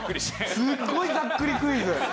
すごいざっくりクイズ！